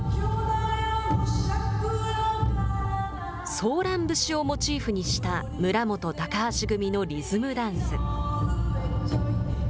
ソーラン節をモチーフにした村元・高橋組のリズムダンス。